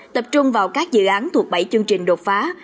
tập trung vào các dự án thuộc bảy chương trình đột phá